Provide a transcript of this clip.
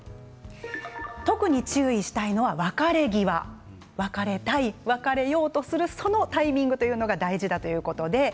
特に注意したいのは別れたい、別れようとする別れ際のタイミングが大事だということです。